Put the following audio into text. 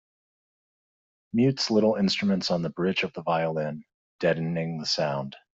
Mutes little instruments on the bridge of the violin, deadening the sound.